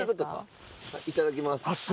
いただきます。